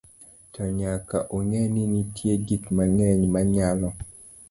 to nyaka ong'e ni nitie gik mang'eny manyalo